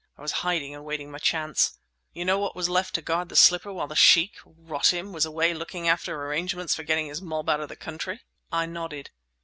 I was hiding and waiting my chance. You know what was left to guard the slipper while the Sheikh—rot him—was away looking after arrangements for getting his mob out of the country?" I nodded.